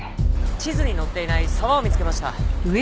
地図に載っていない沢を見つけました。